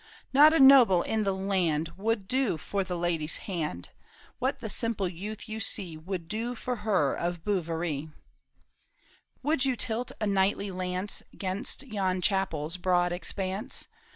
" Not a noble in the land Would do for the lady's hand, What the simple youth you see Would for her of Bouverie." " Would you tilt a knightly lance 'Gainst yon chapel's broad expanse